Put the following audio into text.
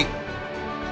điện biên phủ